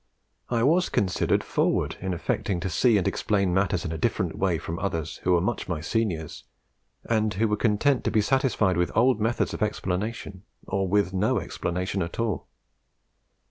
I was considered forward in affecting to see and explain matters in a different way from others who were much my seniors, and who were content to be satisfied with old methods of explanation, or with no explanation at all.....